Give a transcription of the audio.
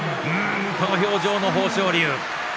この表情の豊昇龍。